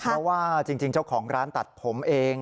เพราะว่าจริงเจ้าของร้านตัดผมเอง